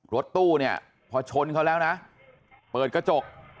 รถตู้เนี่ยพอชนเขาแล้วนะเปิดกระจก